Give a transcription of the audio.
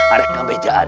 ada yang bejaan